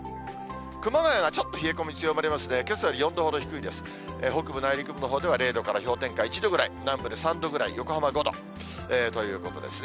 熊谷がちょっと冷え込み、強まりますね。